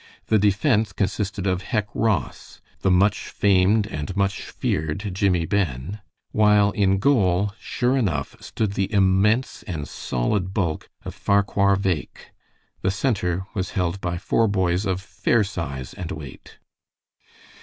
The defense consisted of Hec Ross, the much famed and much feared Jimmie Ben, while in goal, sure enough, stood the immense and solid bulk of Farquhar Bheg. The center was held by four boys of fair size and weight.